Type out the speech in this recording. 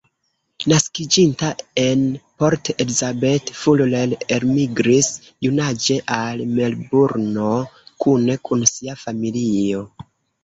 Naskiĝinta en Port Elizabeth, Fuller elmigris junaĝe al Melburno kune kun sia familio.